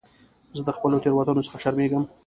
زه د خپلو تېروتنو څخه شرمېږم.